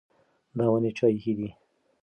دا ونې چا ایښې دي؟